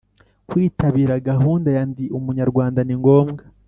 Kwitabira gahunda ya Ndi umunyarwanda ni ngombwa